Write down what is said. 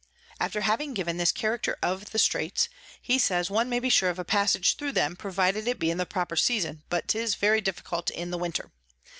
After having given this Character of those Straits, he says one may be sure of a Passage thro them, provided it be in the proper Season, but 'tis very difficult in the Winter.